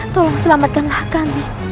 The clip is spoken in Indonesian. tolong selamatkanlah kami